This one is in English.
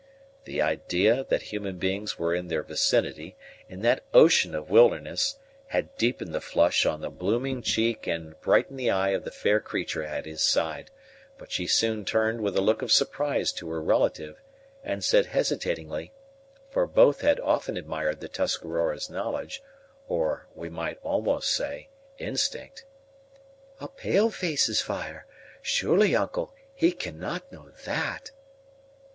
The idea that human beings were in their vicinity, in that ocean of wilderness, had deepened the flush on the blooming cheek and brightened the eye of the fair creature at his side; but she soon turned with a look of surprise to her relative, and said hesitatingly, for both had often admired the Tuscarora's knowledge, or, we might almost say, instinct, "A pale face's fire! Surely, uncle, he cannot know that?"